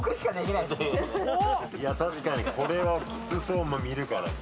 確かにこれはキツそう見るからに。